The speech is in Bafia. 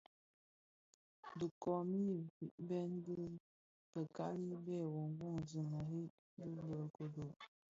Dhi komid firebèn fi bekali bè woowoksi mëree bi bë kodo.